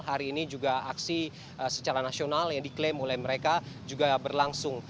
hari ini juga aksi secara nasional yang diklaim oleh mereka juga berlangsung